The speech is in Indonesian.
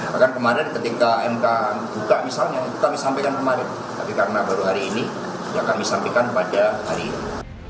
bahkan kemarin ketika mk buka misalnya itu kami sampaikan kemarin tapi karena baru hari ini ya kami sampaikan pada hari ini